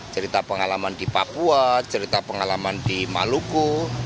cerita pengalaman di papua cerita pengalaman di maluku